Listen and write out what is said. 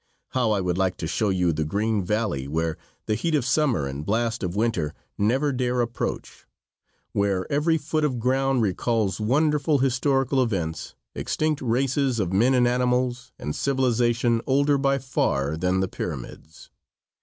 How I would like to show you the green valley where the heat of summer and blast of winter never dare approach; where every foot of ground recalls wonderful historical events, extinct races of men and animals, and civilization older by far than the pyramids.